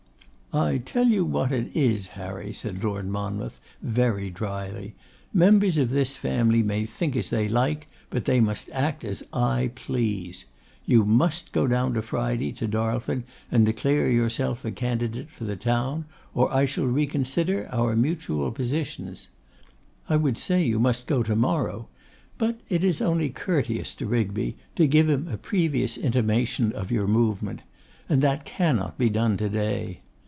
'I tell you what it is, Harry,' said Lord Monmouth, very drily, 'members of this family may think as they like, but they must act as I please. You must go down on Friday to Darlford and declare yourself a candidate for the town, or I shall reconsider our mutual positions. I would say, you must go to morrow; but it is only courteous to Rigby to give him a previous intimation of your movement. And that cannot be done to day.